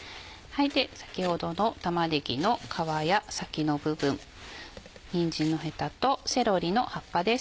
先ほどの玉ねぎの皮や先の部分にんじんのヘタとセロリの葉っぱです。